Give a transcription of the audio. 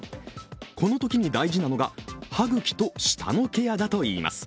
このときに大事なのが歯茎と舌のケアだといいます。